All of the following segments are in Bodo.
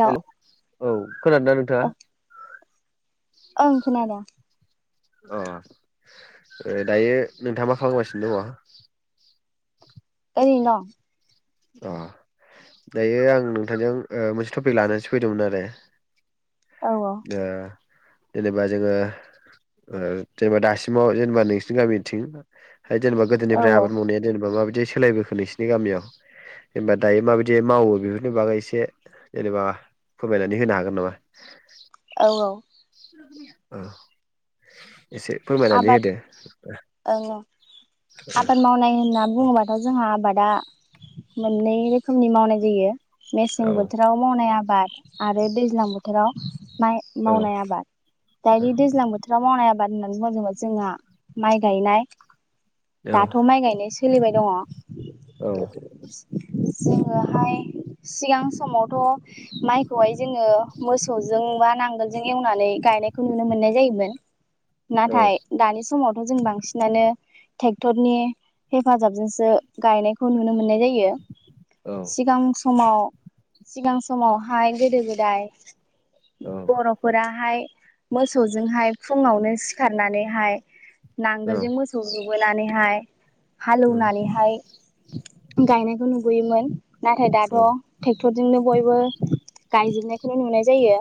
हेल' हेलौ। औ। खोनादों दा नोंथाङा? ओं खोनादों। अ दायो नोंथाङा मा खालामगासिनो दङ? ओरैनो दं। अ दायो आं नोंथांजों मोनसे टपिक लानानैसो फैदोंमोन आरो। दं औ दा जेनेबा जोङो, ओ जेनेबा दासिमाव जेनेबा नोंसिनि गामिनिथिं। [unintelligible] औ गोदनिफ्राय आबाद मावनाया जेनबा माबायदि बिदि सोलायबोखो नोंसोरनि गामियाव, जेनेबा दायो माबायदि मावो बेफोरनि बागै एसे जेनेबा फोरमायनानै होनो हागोन नामा? औ औ। ओ। एसे फोरमायनानै आबाद होदो। आबाद‌ मावनाय होनना बुंङोबाथ' जोंहा आबादा मोननै रोखोमनि मावनाय जायो। औ मेसें बोथोराव मावनाया बाद आरो दैज्लां बोथोराव माइ औ मावनाय आबाद दायो दैज्लां बोथो राव मावनाय आबाद। होननानै बुंङोजाबा जोंहा माइ गायनाय। दाथ' माइ गायनाय सोलिबाय दंङ। औ [inaudible] जोंङोहाय सिगां समावथ' माइखौहाय जोंङो मोसौजों बा नांगोलजों एवनानै गायनायखौ नुनो मोननाय जायोमोन। औ नाथाय दानि समावथ' जों बां सिनानो टेक्टरनि हेफाजाबजोंसो गायनायखौ नुनो मोननाय जायो। यो सिगां समाव सिगां समावहाय गोदो गोदाय बर'फोराहाय मोसौजोंहाय फुंङावनो सि खारनानैहाय नांगोलजों मोसौ जुबोनानैहाय हालेवनानैहाय गायनाय नुबोयोमोन। नाथाय औ दाथ' टे क्टरजोंनो बयबो गायजोबनायखौनो नुनाय जायो।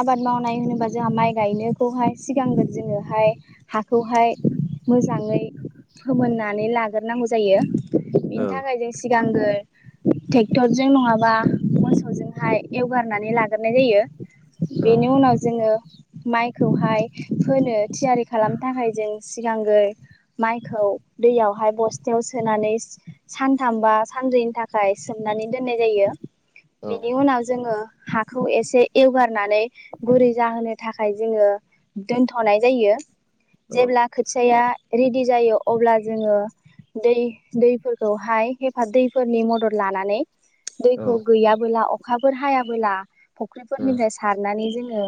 आबाद मावनाय होनोबा जाहा माइ गायनोखौहाय सिगांगोन जोंङोहाय हा खौहाय मोजांङै फोमोननानै लाग्रोनांगौ जायो। औ बिनि थाखाय जों सिगांगो टेक्टरजों नंङाबा मोसौजोंहाय एवगारनानै लाग्रोनाय जायो। दैज्लां बेनि उनाव जोंङो माइखौहाय फोनो थियारि खालामनो थाखाय जों सिगांगो माइखौ दैयावहाय बस्थायाव सोनानै सानथाम बा सानब्रैनि थाखाय सोमनानै दोननाय जायो बिनि उनाव जोंङो हाखौ एसे एवगारनानै गुरै जाहोनो थाखाय जोंङो दोनथ'नाय जायो। जेब्ला खोथियाया रेडि जायो अब्ला जोङो दै दैफोरखौहाय हेफाजाब दैफोरनि मदद लानानै दैखौ गैयाबोला अखा फोर हायाबोला फुख्रिफोरनिफ्राय सारनानै जोङो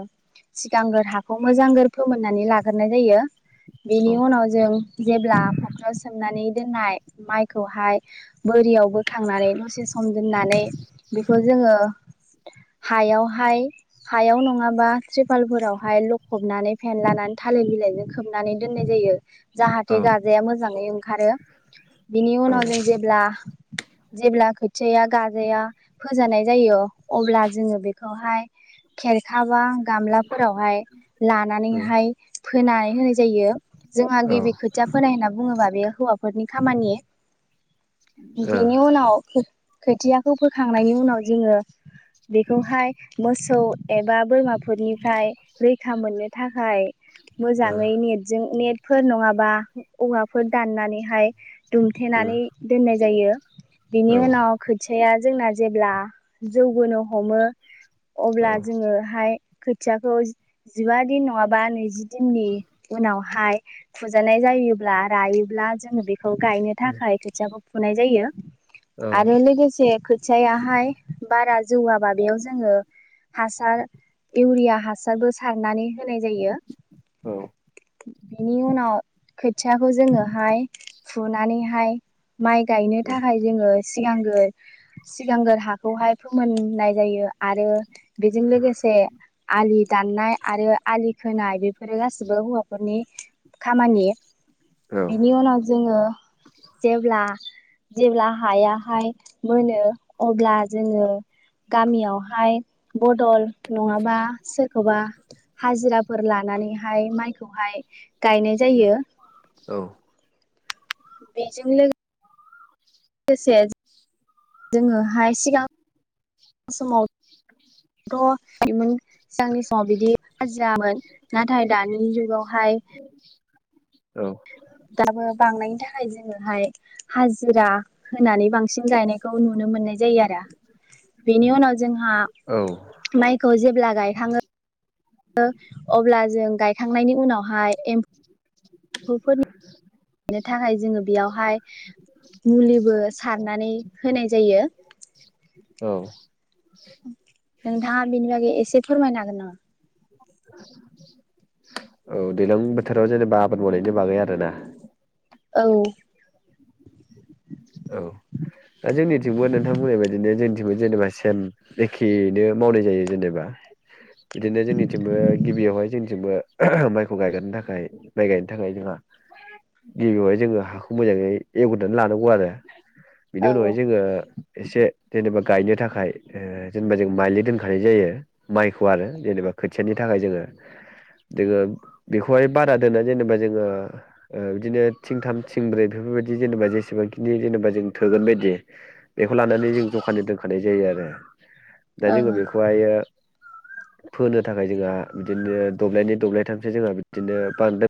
सिगांग्रो हाखौ मोजांगोर फोमोननानै लाग्रोनाय जायो बेनि उनाव जों जेब्ला फुख्रियाव सोमनानै [unintelligible] मायहायखौ बोरियाव बोखांनानै दसे सम दोननानै बेखौ जोङो हाया-हाया सायाव नङाब्ला र्थिपालफोराव हाय लख खनानै फेन लानानै थालिर बिलाइजों खोबनानै दोननाय जायो। जाहाथे गाजाया मोजाङै आरो बिनि उनाव जों जेब्ला जेब्ला खोथियाया गाजाया फोजानाय जायो अब्ला जोङो बेखौहाय खेरखाबा गामलाफोरावहाय लानानैहाय फोनानै होनाय जायो जोंहा गिबि खोथिया फोनाय होनना बुङोबा बे हौवाफोरनि खामानि बिनि उनाव खोथियाखौ बोखांनायनि उनाव जोङो बेखौहाय मोस औ एबा बोरमाफोरनिफ्राय ब्रै मोननो थाखाय मोजाङै नेटजों नेट फोर नङाबा औवाफोर दाननानैहाय दुमथेनानै दोननाय जायो। [inaudible] दिनै उनाव खोथियाया जोंना जेब्ला जौबोनो हमो अब्ला जोङोहाय खोथियाखौ जिबा दिन नङाबा नैजि दिननि उनावहाय फुजानाय जायोब्ला रायोब्ला जोङो बे खौ गायनो थाखाय खोथियाखौ फुनाय जायो आरो लोगोसे खो खोथिया हाय बारा जौवाबा बेयाव जोङो हासार इउिया हासारबो सारनानै होनाय जायो। बेनि उनाव खोथियाखौ जोङोहाय फुनानैहाय। माइ गायनो थाखाय जोङो सिगां सिगांग्रो हाखौहाय फोमोननाय जायो आरो बेजों लोगोसे आलि दाननाय आरो आलि खोनाय बेफोरो गासिबो हौवाफोरनि खामानि। बिनि उनाव जोङो जेब्ला जेब्ला हायाहाय मोनो अब्ला जोङो गामियावहाय बदल नङाबा सोरखौबा हाजिराफोर लानानैहाय माइखौहाय गायनाय जायो। बेजों लो लोगोसे जोङोहाय सिगां समावथ' सिगांनि समाव बिदि हाजिरामोन नाथाय दानि जुगाव हाय औ दाबो बांनायनि था जोङोहाय हाजिरा होनानै बांसिन गायनायखौ नुनो मोननाय जायो आरो बेनि उनाव जोंहा माइखौ जेब्ला गायखाङो ङो अब्ला जों गायखांनायनि उनावहाय एम फोरनिनो थाखाय जोङो बेयावहाय मुलिबो सारनानै होनाय जायो। औ नोंथाङा बिनि बागै एसे फोरमायनो हागोन ना मा? औ दैज्लां बोथोराव जेनेबा आबाद मावनायनि बागै आरोना? औ औ दा जोंनिथिंबो नोंथांमोननि बादिनो जोंनिथिंबो जेनेबा सेम एखेयैनो मावनाय जायो जेनेबा बिदिनो जोंनिथिंबो गिबियावहाय जोंथिंबो माइखौ गायगोरनो थाखाय माइ गायनो थाखाय जोंहा गिबियावहाय जोङो हाखौ मोजाङै एवगोरनानै लानांगौ आरो। बिनि औ उनावहाय जोङो एसे जेनेबा गायनो थाखाय जेनेबा जों ओ माइलि दोनखानाय जायो माइखौ आरो जेनेबा खोथियानि थाखाय जोङो जोङो बेखौहाय बारा दोना जेनेबा जोङो बिदिनो थिंथाम थिं ब्रै बेफोरबायदि जेनेबा जेसेबांखि बिदि जेनेबा जों थोगोन बायदि बेखौ लानानै जों जखानि दोनखानाय जायो आरो। दा जोङो बेखौहायो फोनो थाखाय जोंहा बिदिनो दब्लायनै दब्लायथामसो जोंहा बिदिनो बांदो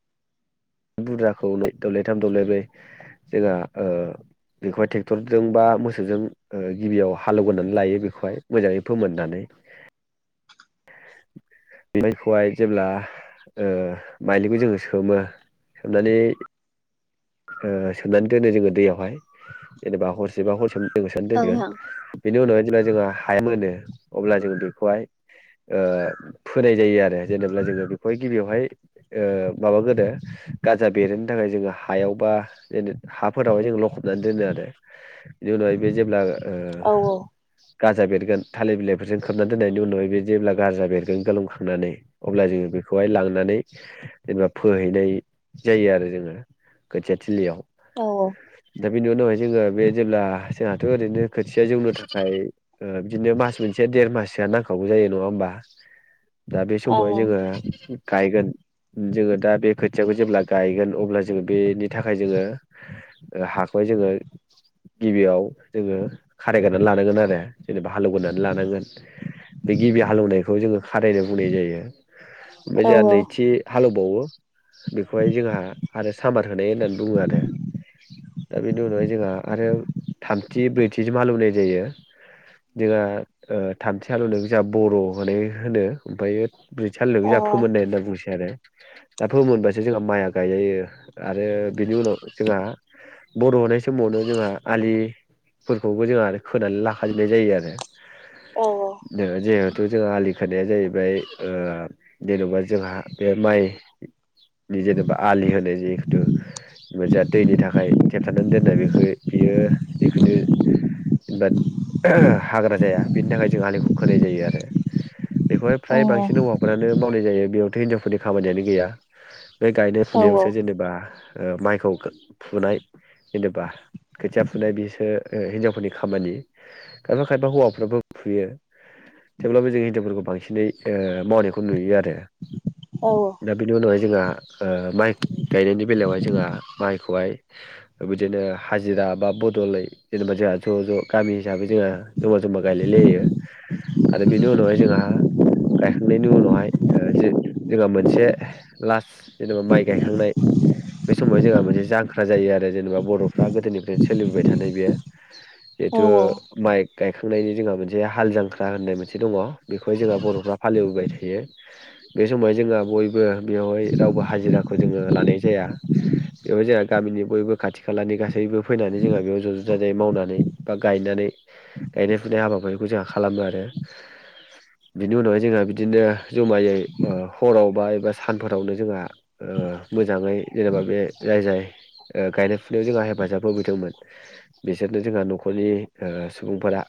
बुरजाखौ नै दब्लायथाम दब्लायब्रै जोंहा ओ बेखौहाय ट्रेक्टरजों बा मोसौजों ओ गिबियाव हालेवगोरनानै लायो बेखौहाय मोजाङै फोमोननानै बेखौहाय जेब्ला ओ माइलिखौ जोङो सोमो सोमनानै ओ सोमनानै दोनो जोङो दैयावहाय। जेनेबा हरसेबा हर औ ओं दोनगोन बेनि उनावहाय जे जोंहा हाया मोनो अब्ला जों बेखौहाय ओ फोनाय जायो आरो जेनेब्ला जोङो बेखौहाय गिबियावहाय ओ माबागोरो गाजा बेरनो थाखाय जोङो हायाव बा हाफोरावहाय जों लखब होननानै दोनो आरो बिनि उनावहाय बे जेब्ला ओ औ औ गाजा बेरगोन थालिर बिलाइफोरजों खोबना दोननायनि उनावहाय बे जेब्ला गाजा बेरगोन गोलोमखांनानै अब्ला जोङो बेखौहाय लांनानै जेनेबा फोहैनाय जायो आरो जोङो खोथिया थिलियाव औ औ दा बेनि उनावहाय जोङो बे जेब्ला जोंहाथ ओरैनो खोथिया जौनो थाखाय बिदिनो मास मोनसेया देर माससोआ नांखागौ जायो नङा होमबा दा बे समाव जोङो गायगोन जोङो दा बे खोथियाखौ जेब्ला गायगोन अब्ला जोङो बेनि थाखाय जोङो हाखौहाय जोङो गिबियाव जोङो खारायगोरनानै लानांगोन आरो जेनेबा हालेवगोरनानै लानांगोन बे गिबि हालौवनायखौ जोङो खारायनाय बुंनाय जायो ओमफाय ओं औ जाहा नैथि हालेवबावो बेखौहाय जोंहा आरो सामार होनाय होननानै बुङो आरो दा बेनि उनावहाय जोंहा आरो थामथि ब्रैथिसिम हालौवनाय जायो जोंहा ओ थामथि हालौवनाय जोंहा बर होनाय होनो ओमफ्रायो ब्रैथि हालेवनायखौ औ जा फोमोननाय होनना बुंसै आरो दा फोमोनबासो जोंहा माइया गायजायो आरो बिनि उनाव जोंहा बरहनाय समावनो जोंहा आलिफोरखौबो जोंहा आरो खोनानै लाखाजोबनाय जायो औ आरो [unintelligible] जों आलि खोनाया जाहैबाय ओ जेनेबा जोंहा बे माइनि जेनेबा आलि होनाय जिहेथु मोजा दैनि थाखाय बे थाखाय थेबथनानै दोननाय बेखौ बियो जिखुनु बाद हाग्रा जाया बिनि थाखाय जों आलिखौ खोनाय जायो आरो बेखौहाय औ फ्राय ओं बांसिन हौवाफोरानो मावनाय जायो बेयावथ हिनजावफोरनि खामानियानो गैया बे गायनाय ओं औ फुनायावसो जेनेबा ओ माइखौ फुनाय जेनेबा खोथिया फुनाय बिसो ओ‌ हिनजावफोरनि खामानि खायफा खायफा हौवाफ्राबो फुयो थेवब्लाबो जों हिनजावफोरखौ बांसिनै ओ मावनायखौ नुयो आरो दा बिनि उनावहाय जोंहा ओ माइ गायनायनि बेलायावहाय जोंहा माइखौहाय बिदिनो हाजिरा बा बदलै जेनेबा जोंहा ज ज गामि हिसाबै जोंहा जमा जमा गायलायलायो आरो बेनि उनावहाय जोंहा गायखांनायनि उनावहाय ओ जो जोंहा मोनसे लास‌ जेनेबा माइ गायखांनाय बे समावहाय जोंहा मोनसे जां ख्रा जायो आरो जेनेबा बरफ्रा गोदोनिफ्रायनो सोलिबोबाय थानाय बेयो औ जिहेथु माइक गायखांनायनि जोंहा मोनसे हाल जांख्रा होननाय मोनसे दङ बेखौहाय जोंहा बरफ्रा फालिबोबाय थायो बे समावहाय जोंहा बयबो बेवहाय रावबो हाजिराखौ जोङो लानाय जाया बेवहाय जोंहा गामिनि बयबो खाथि खालानि गासैबो फैनानै जोंहा बेयाव ज ज जाजाय मावनानै बा गायनानै गायनाय फुनाय हाबाारिखौ जोंहा खालामो आरो बिनि उनावहाय जोंहा बिदिनो जमायै हराव बा एबा सानफोरावनो जोंहा मोजाङै जेनेबा बे जाय जाय ओ गायनाय फुनायाव जोंहा हेफाजाब होफैदोंमोन बिसोरनो जोंहा न'खरनि सुबुंफोरा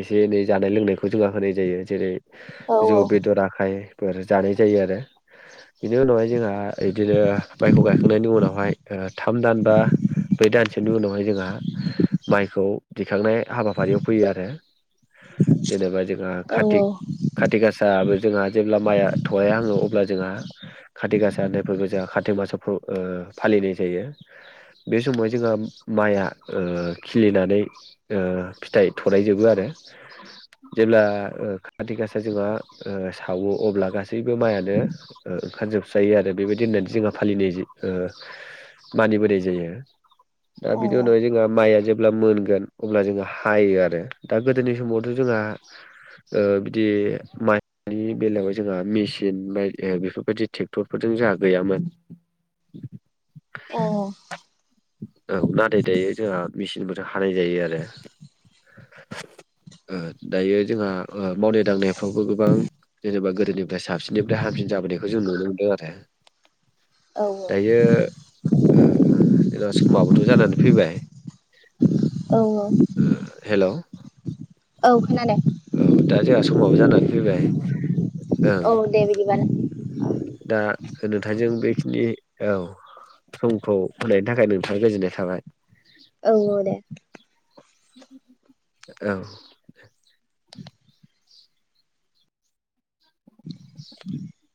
एसे एनै जानाय लोंनायखौ जोंहा होनाय जायो जेरै औ जौ बेदर‌ आखाय फोर जानाय जायो आरो बेनि उनावहाय जोंहा बिदिनो माइखौ गायखांनायनि उनावहाय‌ ओ थाम दान बा ब्रै दानसोनि उनावहाय जोंहा माइखौ दिखांनाय हाबाफारियाव फैयो आरो जेनेबा जों ओ औ खातिक खाथि गासाबो जोंहा जेब्ला माइआ थहाय हाङो अब्ला जोंहा खाति गासा होननायफोरबो जोंहा खार्टिक मासाव फालिनाय जायो बे समाव जोंहा माइआ ओ खिलिनानै ओ फिथाइ थरायजोबो आरो जेब्ला ओ खााति गासा जोंहा ओ सावो अब्ला गासैबो माइयानो ओंखारजोबसायो आरो बेबायदि होननानै जोंहा फालिनाय जायो ओ मानि बोनाय जायो दा बिनि उनावहाय जोंहा माइया जे ब्ला मोनगोन अब्ला जोंङो हायो आरो दा गोदोनि समावथ जोंहा ओ बिदि माइनि बेलायाव जोंहा मेचिन मे ओ बेफोरबायदि ट्रेक्टरफोरजों जाहा गैयामोन औ नाथाय दायो जोंहा मेसिनफोरा हानाय जायो आरो ओ दायो जोंहा मावनाय दांनायफ्रावबो गोबां जेनेबा गोदोनिफ्राय साबसिननिफ्राय हामसिन जाबोनायखौ जों नुनो मोनदों आरो दायो जेनेबा समाबोथ' जानानै फैबाय औ हेल' औ खोनादों दा जोंहा समाबो जानानै फैबाय ओं औ दे बिदिबा दा नोंथांजों बेखिनि औ समखौ होनायनि थाखाय नोंथां गोजोननाय थाबाय औ दे औ [inaudible]